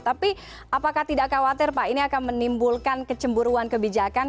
tapi apakah tidak khawatir pak ini akan menimbulkan kecemburuan kebijakan